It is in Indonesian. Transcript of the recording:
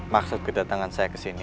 maksud kedatangan saya ke sini